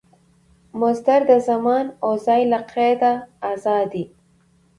مصدر د زمان او ځای له قیده آزاد يي.